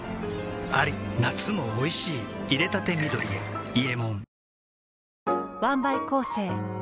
夏もおいしい淹れたて緑へ「伊右衛門」